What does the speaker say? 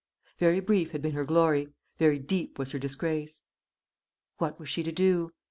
Very brief had been her glory; very deep was her disgrace. What was she to do?